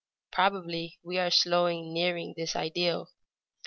Probably we are slowly nearing this ideal.